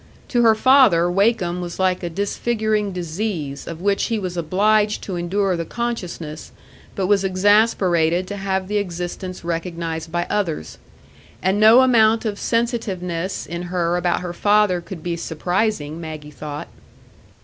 To her father, Wakem was like a disfiguring disease, of which he was obliged to endure the consciousness, but was exasperated to have the existence recognised by others; and no amount of sensitiveness in her about her father could be surprising, Maggie thought.